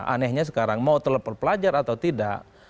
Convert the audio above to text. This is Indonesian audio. anehnya sekarang mau telepon pelajar atau tidak